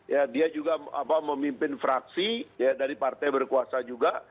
ya dia juga memimpin fraksi dari partai berkuasa juga